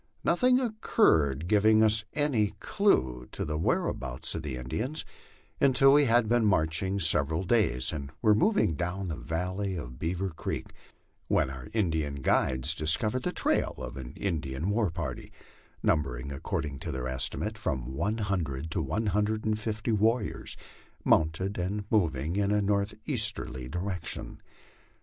Nothing occurred giving us any clue 144 LIFE ON THE PLAINS to the whereabouts of Indians until we had been marching several days and were moving down the valley of Beaver creek, when our Indian guides dis covered the trail of an Indian war party, numbering, according to their esti mate, from one hundred to one hundred and fifty warriors, mounted and mov ing in a northeasterly direction.